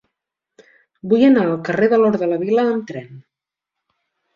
Vull anar al carrer de l'Hort de la Vila amb tren.